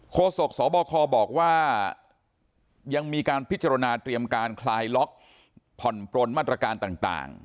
โศกสบคบอกว่ายังมีการพิจารณาเตรียมการคลายล็อกผ่อนปลนมาตรการต่าง